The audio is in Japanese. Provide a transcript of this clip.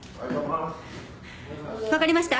わかりました。